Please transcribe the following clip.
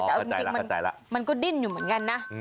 แต่เอาจริงมันก็ดิ้นอยู่เหมือนกันนะ